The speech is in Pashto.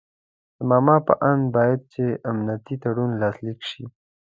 د ماما په آند باید چې امنیتي تړون لاسلیک شي.